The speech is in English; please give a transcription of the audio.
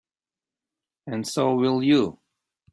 And so will you.